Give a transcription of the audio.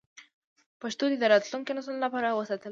پښتو دې د راتلونکو نسلونو لپاره وساتل شي.